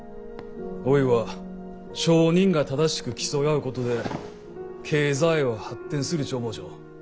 おいは商人が正しく競い合うことで経済は発展するち思っちょ。